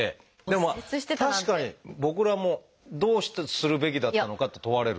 でも確かに僕らもどうするべきだったのかって問われると。